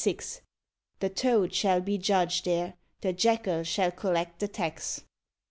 The toad shall be judge there; the jackal shall collect the tax; 37.